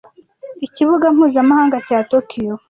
ikibuga mpuzamahanga cya Tokiyo.